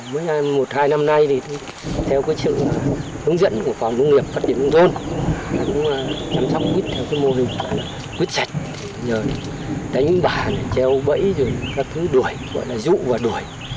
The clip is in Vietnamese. chúng ta cũng chăm sóc quýt theo mô hình quýt sạch nhờ đánh bà treo bẫy rồi các thứ đuổi gọi là rụ và đuổi